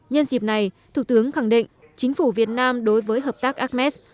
nhân dịp này thủ tướng khẳng định chính phủ việt nam đối với hợp tác ames